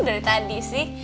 dari tadi sih